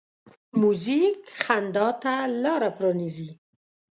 موزیک خندا ته لاره پرانیزي.